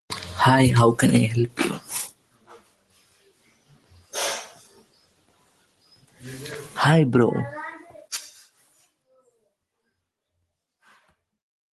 Another aspect of hospitality training is food and beverage service.